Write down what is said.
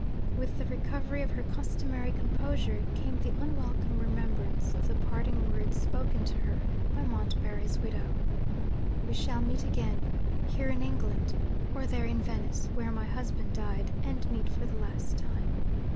With the recovery of her customary composure came the unwelcome remembrance of the parting words spoken to her by Montbarry's widow: 'We shall meet again here in England, or there in Venice where my husband died and meet for the last time.'